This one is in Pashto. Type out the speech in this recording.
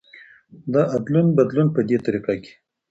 د ادلون بدلون په دې طريقه کې